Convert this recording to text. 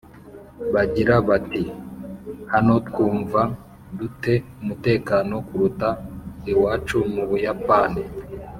Bagira bati hano twumva du te umutekano kuruta iwacu mu Buyapani